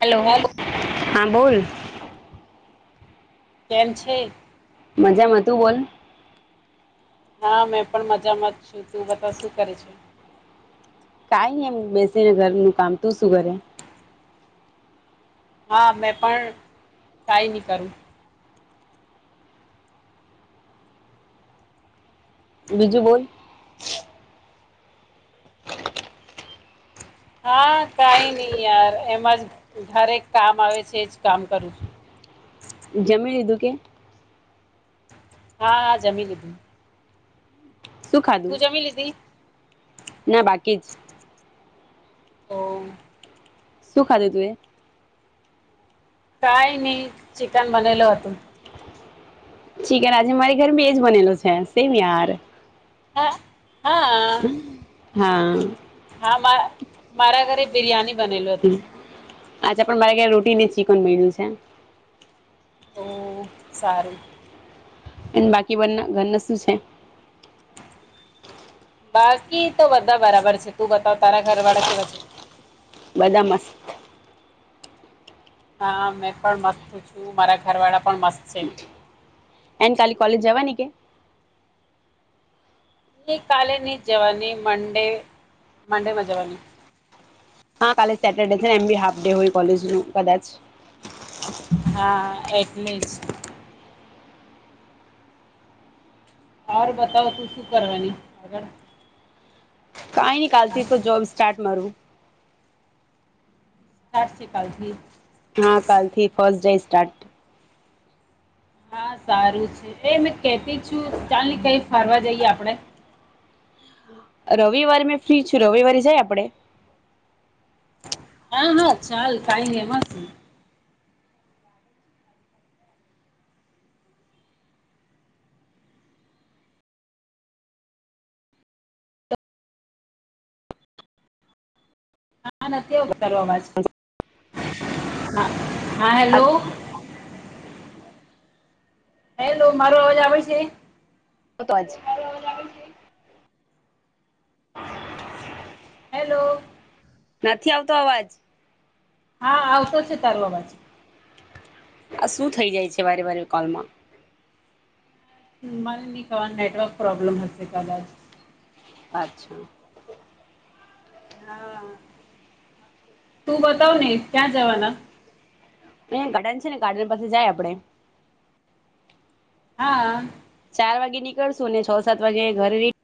હાલો, hello હા બોલ. કેમ છે મજામાંજ તુ બોલ. હા મેં પણ મજામાં જ છું. તો બતાવ શું કરે છે. કઈ નઈ એમ બેસીને ઘરનું કામ તું શું કરે. હા મેં પણ કાઈ નહી કરું. બીજું બોલ. હા કાઈ નહી યાર એમાં જ ઘરે કામ આવે છે એ જ કામ કરું છું. જમી લીધું કે. હા હા જમી લીધું. શું ખાધું તું જમી લીધી ના બાકી છે ઓ [unintelligible] શું ખાધુ તું એ. કાઈ નહી ચિકન બનેલું હતું. ચીકન આજે મારી ઘર મે એજ બનેલું છે સેમ યાર. હા [unintelligible] હ [unintelligible] હા હા મા મારા ઘરે બિરિયાની બનેલું હતું અચ્છા પણ મારે ઘેર રોટી ને ચિકન બન્યું છે ઓ સારું અને બાકી બ ઘર ના શું છે બાકી તો બધા બરાબર છે તું બતાવ તારા ઘર વાળા કેવા છે બધા મસ્ત હા મેં પણ મસ્ત છું મારા ઘર વાળા એન કાલી કોલેજ જવાની કે નઈ કાલે ની જવાની મંડે મંડેમાં જવાની હા કાલે સેટરડે છે એમ બી હાફ ડે હોય કોલેજ નો કદાચ હા એ એટલે જ ઓર બતાવ તું શું કરવાની આગળ કાઈ ની કાલથી તો જોબ સ્ટાર્ટ મારું સાત સી પાલ થી હા કાલથી ફર્સ્ટ ડે સ્ટાર્ટ હા સારું છે એ મેં કેતી છું ચાલને કઈ ફરવા જઈએ આપડે રવિવાર મેં ફ્રી છું રવિવારે જાય આપડે હા હા ચાલ કાઈ નઈ એમાં શું હા નથી ઉતારવામાં છે હા હેલો હેલો મારો અવાજ આવે છે? [unintelligible] હેલો નથી આવતો અવાજ હા આવતો છે તારો અવાજ આ શું થઇ જાય છે, વારે વારે કોલમાં મને ની કવા નેટવર્ક પ્રોબ્લેમ હશે કદાચ પાછો, હા તું બતાવ ને ક્યાં જવાના? હું અહીંયા ગાડન છે ને ગાડન પાસે જાય આપડે હા ચાર વાગે નીકળશું ને છ સાત વાગે ઘરે રી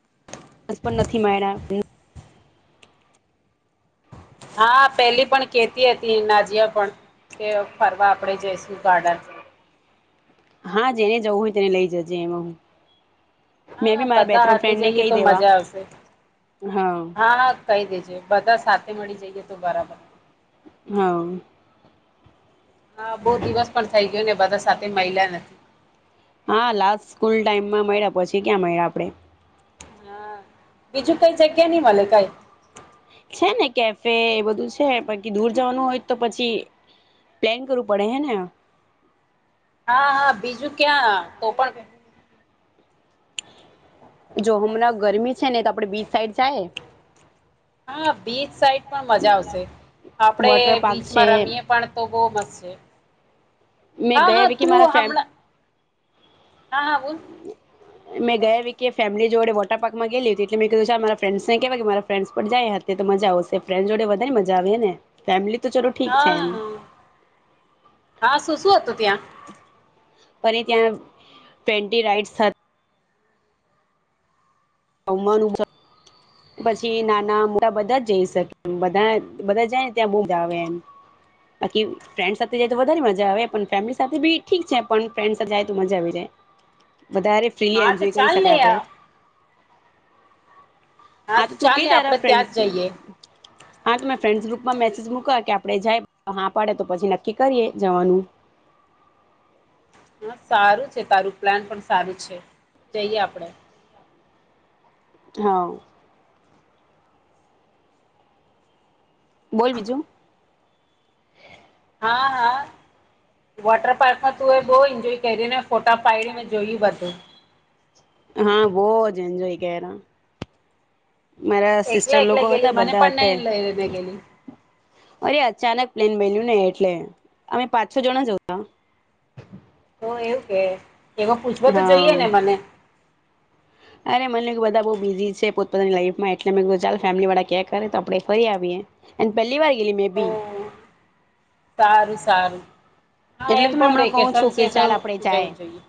[unintelligible] સ પણ નથી મા્ હા પેલી પણ કેતી હતી એના નાજિયા પણ કે ફરવા આપણેે જઈશું ગાર્ડન હા જેને જવું હોય તેને લઈ જજે એમાં હું. મેં હા બી મારા બે બધા ત્રણ હાથે ફ્રેન્ડને જઈએ કહી તો દેવા મજા આવશે હા હા કહી દેજે બધા સાથે મળી જઈએ. તો બરાબર. હા હા બહુ દિવસ પણ થઈ ગયો ને. બધા સાથે મળિલા નથી. હા લાસ્ટ સ્કૂલ ટાઈમમાં મળ્યા પછી ક્યાં મળ્યા આપડે. હા બીજું કઈ જગ્યા નહી મળલે કઈ. છે ને કેફે એ બધું છે બાકી દૂર જવાનું હોય તો પછી, પ્લેન કરવું પડે હે ને. હા હા બીજું ક્યાં તો પણ. જો હમણાં ગરમી છે ને તો આપડ બીચ સાઈડ જાય. હા બીચ સાઈડ પણ મજા આવશે આપડે વોટર પાર્ક છે બીચમાં રમીય પણ તો બહુ મસ્ત છે. મેં હા ગયા હા વીકે તું મારા ફેમ હમણાં. હા હા બોલ મેં ગયા વ કે ફેમિલી. જોડ વોટર પાર્ક મા ગયેલી એટલ મે કધું મારા ફ્રેન્ડસને કેવા મારા ફ્રેન્ડસ જાય હતી તો મજા આવશે ફ્રેન્ડસડે વધારેની મજા આવે ને ફેને? હા હ હા શુંશું હતું ત્યાં? પણ ત્યાં ટ્વેન્ટી રાઈટ્સ. હ પછી નાના મોટા બધા જ જઈ શકે, એ બધા બધા જાયને ત્યાં બજ આવે એ બાકી ફ્રેન્ડ સાથે જાય તો વધારે મજા આવે પણ ફેમિલી સાથે બી ઠીક છે, પણ ફન્ સાથે જાય તો મજા આવી જાય. વધારે ફ્રીલી હા તો એન્જોય કરી ચાલ ને શકાય આપણે. યાર. હા તો તું ક ચાલ ને તરા આપડે ત્યાં જ ફ્રેન્ડસને જઈએ હા તો મે ફ્રેન્ડસ ગ્રુપમાં મેસેજ મુક કે આપડણે જાય હા પડે તો પછી નક્કી કરીએ જવાનું. હા સારું છે તારું પ્લાન પણ સારું છે જઈએ આપણેે. હા [unintelligible] બોલ બીજું? હા હા વોટર પાર્કમાં તું એ બહ એન્જોય કરીને ફોટા પાડી મે જોયું બધું. ન્જોય ગ [unintelligible] મારા સિસ્ટર એકલા એકલા લોકો ગેલી હતા મને બધા પણ હતા. નહી લઈને ગેલી અરે અચાનક પ્લેન બેલ્યું ને એટલે અમે પાંચ છો જણા જઉ ત. હ એવું કે. એમાં પૂછવ તો જોઈએ ને હા મને. અરે મને બધા બ બીઝી છે પોની લાઈફમાં એટ મે ચ ફેમલી વાળા કરે તો આપ ફરી આવીએ પહેલી વાર ગેલી મે ઓ બી. સારું સારું. હા એટલે એમ તો મેં પણ હમણાં કહું વેકેશન છું છે કે તો ચાલ આપણે જવું જ જાય જોઈએ.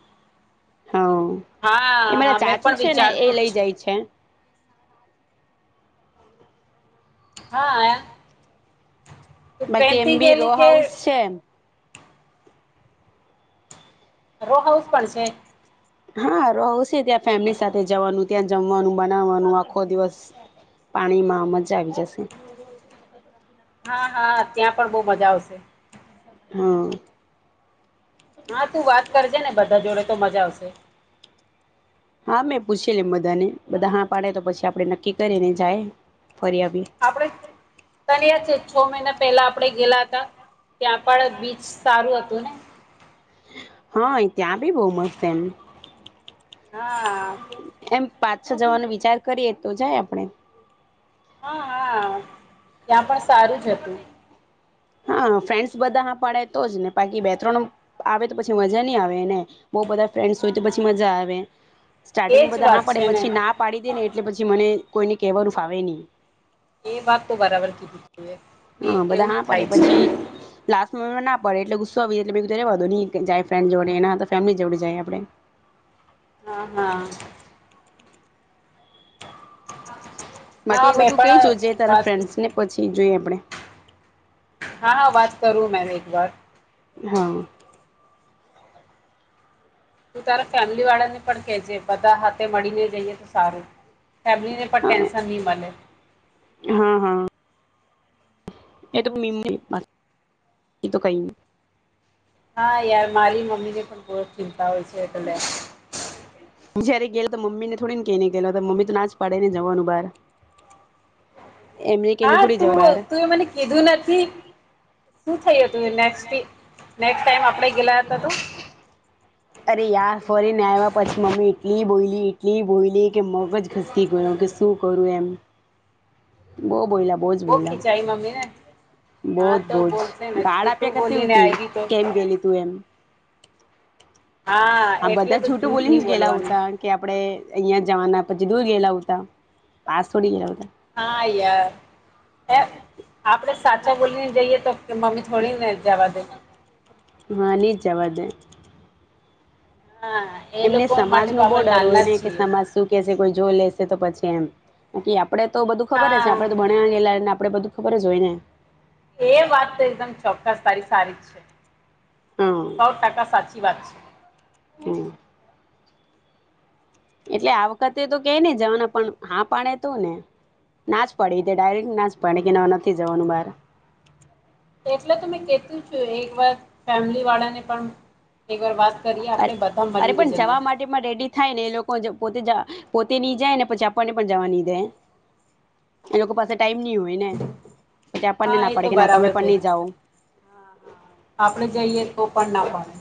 હા એ હા મારા હા મેં ચાચુ પણ છે ને એ વિચારતી જ લઈ છું. જાય છે હા આ બાકી એમ બી રો હાઉસ છે એમ. રો હાઉસ પણ છે? હા રો ત્યાં ફેમિલી સાથે જવાનું ત્યાં જમવાનું બનાવવાનું આખો દિવસ પાણીમાં મજા આવી જશે. હા હા ત્યાં પણ બહુ મજા આવશે. હા. હા તું વાત કરજે ને બધા જોડે તો મજા આવશે. હા મેં પૂછે લ એમ બધાને બધા હા પાડે તો પછી આપડે નક્કી કરી ને જાય. ફરી આવીએ આપણે તને યાદ છે છ મહિના પહેલા આપે ગેલા હતા ત્યાંપડ બીચ સારું હતું ને? હા ત્યાં બી બહ મસ્ત છે એમ. હા એમ પાછ છો જવાનો વિચાર કરીએ તો જાય આપણે? હા હા. ત્યાં પણ સારું જ હતું. હા ફ્રેન્ડ્સ બધા હા પડે તો જ ને બાકી બે ત્રણ આવે તો પછી મજા ન આવેને. બઉ બધા ફ્રેન્ડ્સ હોય હા તો પછી હા મજા આવે. સ્ટાર્ટિંગ એજ બધા વાત હા પડે, છે ને પછી ના પાડી દે ને, એટલે પછી મને. કોઈને કહેવાનું ફાવે નહીં. એ વાત તો બરાબર કીધી. તું એ હા, બધા એવું જ હા પડે થાય છે પછી લાસ્ટ માં ના પાડે. કરવું પડે એટલે ગુસ્સો આવે. એટલે મેં કીધું રહેવા દો, નહીં જાય ફ્રેન્ડ જોડે. એના તો ફેમિલી જોડે જાય, આપણે. હા, હા. [unintelligible] [inaudible] હા બાકી એ મેં બધું કઈ પણ છે જે તારા વાત ફ્રેન્ડ્સ ને પછી જોઈએ, આપણે. આપણે. હા હા, વાત કરું મે. વાત. હા. તું તારા ફેમિલી વાળા ને પણ કેજે, બધા હાથે મળીને જઈએ. સારું ફેમલી ને હા ટેન્શન ની મલે. હા હા એ તો મ એ તો કંઈ ન. હા, યાર મારી મમ્મી ને પણ બહુ ચિંતા હોય છે એટલે. હું જયારે ગેલો તો મમ્મી ને થોડીને કે ને ગેલો, મમ્મી તો ના જ પાડે ને જવાનું બહાર. એમને કઈને હા, થોડી તું જવા બહાર તું એ મને કીધું નથી. શું થયું હતું નેક્સ્ટ વીક? નેક્સ્ટ ટાઈમ આપણે. ગલા હતા તું. અરે યાર, ફરી ને આવ્યા પછી મમ્મી એટલી બોયલી, એટલી બોયલી. કે મગજ ઘસીટી ગયો કે શું કરું એમ. બહુ બોલ્યા. બોજ બહુ બોલા ખીચાઈ મમ્મી ને હા બોજ તો બોજ બોલશે ને ગાળ જૂઠું આપીયા કરતી બોલીને હતી, આવી તો કેમ ગેલી તું એમ. હા, બધા એટલે તો જૂઠું જૂઠ બોલીને નહી જ ગયેલા બોલવાનું હોતા કે આપડે અહિયાં જવાના. પછી દૂર ગેલા હતા, પાસોડી ગેલા હતા. હા, યાર. એફ આપડે સાચા બોલીને જઈએ તો કે મમ્મી થોડીને જવા દે. હા ની જ જવા દે. હા એ એમને લોકો સમાજ માટે તો નુ બહુ આપણે ડર નાના હોય જ ને, કે છીએ સમાજ શું કેશે, કોઈ જો લેશે તો પછી. કી આપ આપણે તો બધું ખબર જ છેને, હા આપણે તો ભણ્યાનેલાને આપણે બધું. ખબર જોઈને. એ વાત તો એકદમ ચોક્કસ તારી સારી. છે હા [unintelligible] સૌ ટકા સાચી વાજ છે. હમ એટલે આ વખતે તો કે નહ જવાના પણ હા પાડે તો ને નાચ પાડી તે ડાયરેક્ટ નાચ પાડે કે નથી જવાનું બાર. એટલે તો મેં કેતું છું એક વાર. ફેમિલીવાળાને પણ એકવાર વાત. કરીએ અરે આપણે બધા અરે મળીને પણ જઈએ જવા માટે પણ રેડી થાય ને એ લોકો. પોતે પોતે નહી જાય ને પછી આપણને પણ જવા નહી જાય એ લોકો પાસે ટાઈમ નહી હોય ને. પછી આપણને હા ના એ તો પડે ના તમે બરાબર પણ કે નહી જાઓ આપણેે જઈએ તો પણ ના પાડે.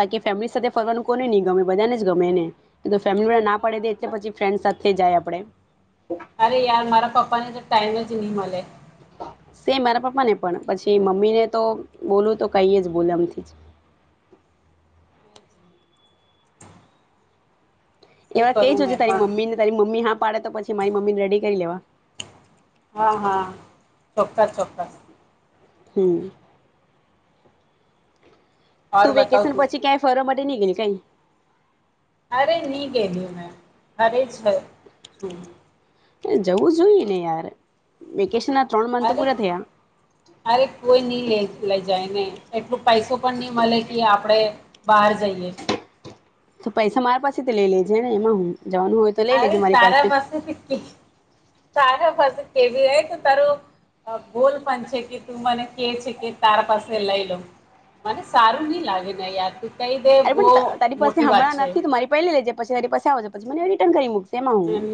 બાકી ફેમિલી સાથે ફરવાનું કોને નહીં ગમે બધાને જ ગમેને ફેમિલી વાા ના હા પડે દે હા એટલે પછી ફ્રેન્ડ સાથે જાય આપડે. અરે યાર મારા પપ્પા ને તો ટાઈમ જ નહી મળે. સે મારા પપ્પાને પણ પછી મમ્મીને તો બોલું તો કઈ જ બોલે એમથી. શું એવા કઈ કરું જો છે મેં તારી પણ મમ્મીને તારી મમ્મી હા પાડ તો પછી મારી મમ્મીને રેડી કરી લેવા. હા હા ચોક્કસ ચોક્કસ હમ ઓર તું બતાવ વેકેશન તું પછી ક્યાંય ફર ની ગઈ કઈ અરે ની ગયેલી મેં અરે છે છું જવું જોઈએ ને યાર વેકેશન ત્રણ મંથ તો અરે પૂરા થયા અરે કોઈ નહી લે લે જાયને એટલું પૈસો પણ નહી મલે કે આપડે બહાર જઈએ તો પૈસા માર પાસેથી લઈ લેજે ને એમાં હું જવાનું હોય તો લઈ અરે લેજે મારી તારા પાસે પાસેથી તારા પાસે કેવી તો તારો બોલ પણ છે કે તું મને કે છે કે તારા પાસે લઈ લો મને સારું ની લાગે ને યાર કહી દે અરે બઉ પણ તારી પાસે મોટી વાત હમણાં છે નથી તો મારી પહેલે લેજે પછી મારી પાસે આવજે પછી મને રિટર્ન કરી મુક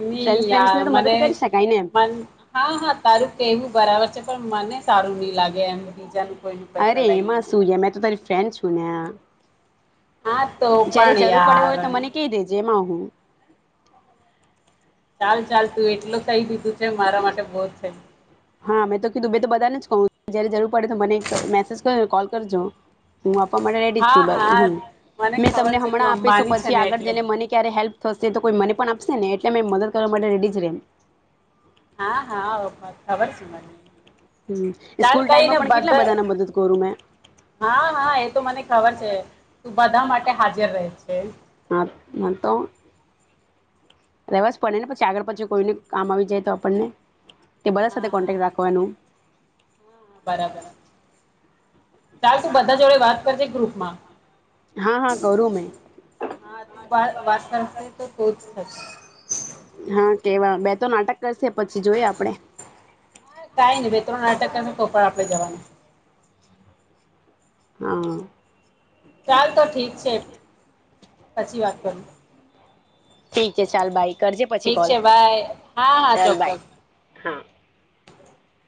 ની યાર મને શકાય ને એમ. મન હા હા તારું કેવું બરાબર છે પણ મને સારું ની લાગે એમ બીજાન. અરે એમાં શું યા મેં તો તારી ફ્રેન્ડ છું ને આ. હા તો જયારે પણ જરૂર પડે યાર હોય તો મને કહી દેજે એમાં હું ચાલ ચાલ તું એટલું કહી દીધું છે મારા માટે બઉ જ છે હા મેં તો કીધું મેં તો બધાને જ કઉ જયારે જરૂર પડે તો મને મેસેજ કર કોલ કરજો હું આપવા માટે રેડી જ હા છું હા હ મને મેં ખબર તમને છે તું હમણાં આપીશ અંબાની છે પછી ને આગળ એટલે જઇને મને ક્યારે હેલ્પ થશે તો કોઈ મને પણ આપશે ને મેં મદદ કરવા માટે રેડી જ રે. હા હા ખબર છે મને. ચાલ સ્કૂલ કઈન ટાઈમમાં પણ કેટલા બધા બધાને મદદ કરું મેં હા હા એ તો મને ખબર છે તું બધા માટે હાજર રહી છે. હા રવાસ પડે ને પછી આગળ પછી કોઈને કામ આવી જાય તો આપણને. તે બધા હા સાથે હા કોન્ટેક્ટ રાખવાનું. બરાબર. ચાલ તું બધા જોડે વાત કરજે ગ્રુપમાં હા હા કરું મેં હા તું વાત કરશે તો [unintelligible] હા કેવા બે તો નાટક કરશે પછી જોઈએ આપણે હા કાઈ નહી બે ત્રણ નાટક કર કોકવાર આપડે જવાનું. હા. ચાલ તો ઠીક છે. સાચી વાત કરું ઠીક છે ચાલ બાય કરજે પછી ઠીક કોલ છે બાય હા હા ચાલ ચોક્કસ. બાય